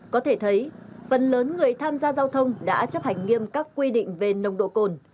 có thể thấy phần lớn người tham gia giao thông đã chấp hành nghiêm các quy định về nồng độ cồn